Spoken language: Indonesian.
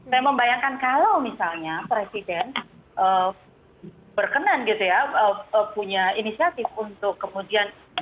saya membayangkan kalau misalnya presiden berkenan gitu ya punya inisiatif untuk kemudian